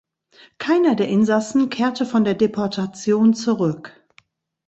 Keiner der Insassen kehrte von der Deportation zurück.